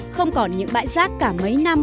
không còn những bãi rác cả mấy năm